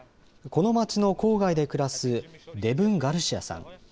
この町の郊外で暮らすデブン・ガルシアさん。